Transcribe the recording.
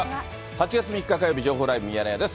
８月３日火曜日、情報ライブミヤネ屋です。